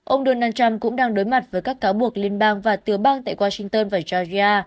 ông donald trump cũng đang đối mặt với các cáo buộc liên bang và tia bang tại washington và georgia